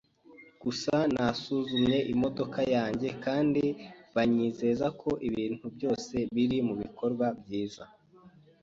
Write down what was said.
Gusa nasuzumye imodoka yanjye kandi banyizeza ko ibintu byose biri mubikorwa byiza.